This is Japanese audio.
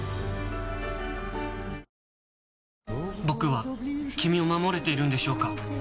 僕は君を守れているんでしょうか？